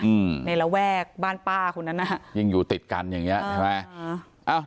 อืมในระแวกบ้านป้าคนนั้นนะฮะยิ่งอยู่ติดกันอย่างเงี้ใช่ไหมอ่า